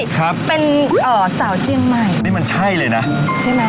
ครับเป็นเอ่อสาวเจียงใหม่นี่มันใช่เลยนะใช่ไหม